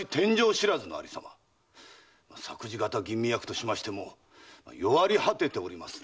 作事方吟味役としましても弱り果てておりまする。